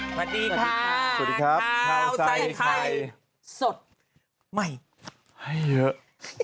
สวัสดีค่ะสวัสดีครับข้าวใส่ไข่สดใหม่ให้เยอะ